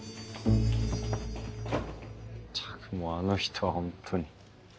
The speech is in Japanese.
ったくもうあの人はほんとに。